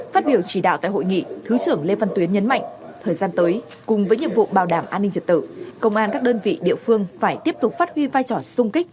phát biểu chỉ đạo tại hội nghị thứ trưởng lê văn tuyến nhấn mạnh thời gian tới cùng với nhiệm vụ bảo đảm an ninh trật tự công an các đơn vị địa phương phải tiếp tục phát huy vai trò sung kích